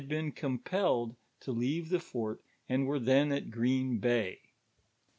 cn compelled to leave the fort, and were then at Green bay.